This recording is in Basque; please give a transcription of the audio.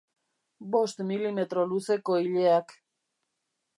Bost milimetro luzeko ileak.